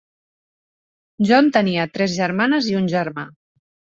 John tenia tres germanes i un germà.